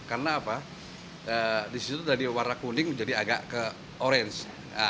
karena di situ dari warna kuning menjadi agak ke orange